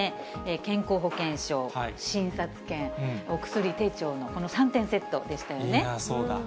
健康保険証、診察券、お薬手帳のこの３点セットでしたよね。